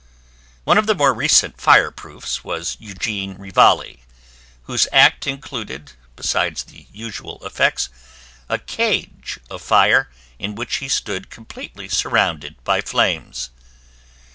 One of the more recent fireproofs was Eugene Rivalli, whose act included, besides the usual effects, a cage of fire in which he stood completely surrounded by flames.